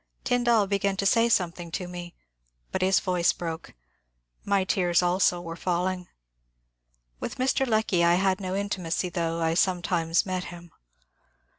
Tyndall began to say something to me, but his voice broke ; my tears also were falling. With Mr. Lecky I had no intimacy, though I some times met him.